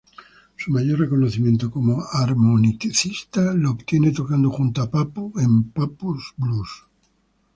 Su mayor reconocimiento como armonicista lo obtiene tocando junto a Pappo en Pappo's Blues.